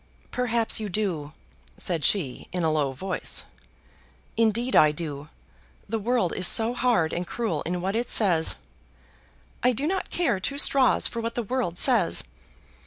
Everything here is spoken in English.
"Perhaps you do," said she in a low voice. "Indeed I do. The world is so hard and cruel in what it says." "I do not care two straws for what the world says."